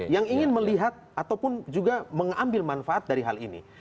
yang ingin melihat ataupun juga mengambil manfaat dari hal ini